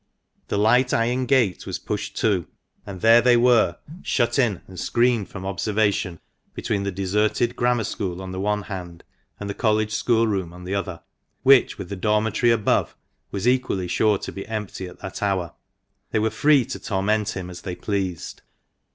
The light iron gate was pushed to, and there they were, shut in and screened from observation, between the deserted Grammar School on the one hand, and the College School room on the other, which with the dormitory above, was equally sure to be empty at that hour. They were free to torment him as they pleased.